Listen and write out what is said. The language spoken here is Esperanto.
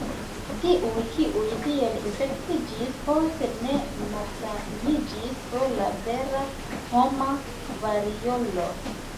Tiuj, kiuj tiel infektiĝis, poste ne malsaniĝis pro la vera homa variolo.